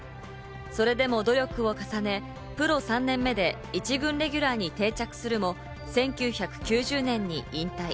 それでも努力を重ね、プロ３年目で一軍レギュラーに定着するも、１９９０年に引退。